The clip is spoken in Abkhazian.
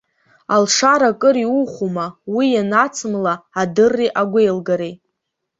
Алшара акыр иухәома, уи ианацымла адырреи агәеилгареи.